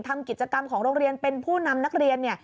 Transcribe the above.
ทำกิจกรรมของโรงเรียนเป็นผู้นำนักเรียน